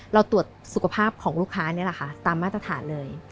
เราตรวจสุขภาพของลูกค้าตามมาตรฐานเลย